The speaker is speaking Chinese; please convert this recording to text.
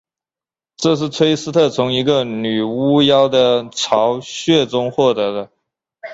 这是崔斯特从一个女巫妖的巢穴中夺得的。